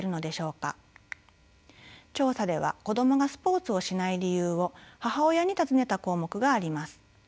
調査では子どもがスポーツをしない理由を母親に尋ねた項目があります。